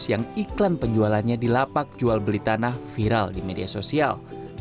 yang iklan penjualannya di lapak jual beli tanah viral di media sosial